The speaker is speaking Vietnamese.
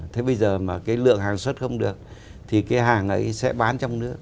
thế bây giờ mà cái lượng hàng xuất không được thì cái hàng ấy sẽ bán trong nước